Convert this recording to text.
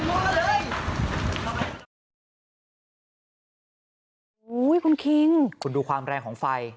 โอ้โหคุณคิงคุณดูความแรงของไฟ